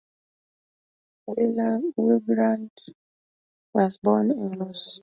Wilbrant was born in Rostock.